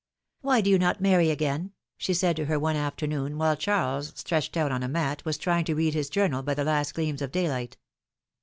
Why do you not marry again she said to her one afternoon, while Charles, stretched out on a mat, was trying to read his journal by the last gleams of daylight.